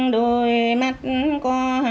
đôi mắt em liếc